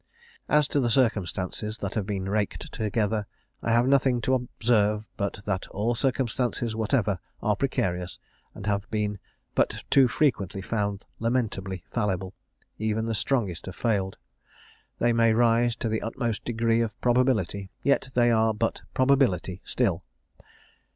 "As to the circumstances that have been raked together, 1 have nothing to observe but that all circumstances whatever are precarious, and have been but too frequently found lamentably fallible; even the strongest have failed. They may rise to the utmost degree of probability, yet they are but probability still.